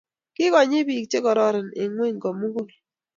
Kigonyii biik chegororon eng ingweny komugul